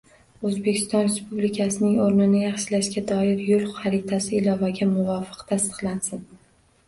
O‘zbekiston Respublikasining o‘rnini yaxshilashga doir «Yo‘l xaritasi» ilovaga muvofiq tasdiqlansin.